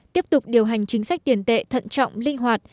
tiếp tục điều hành chính sách tiền tệ thận trọng linh hoạt